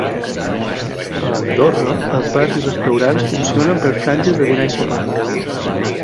A Andorra, els bars i restaurants funcionen per franges de dinar i sopar.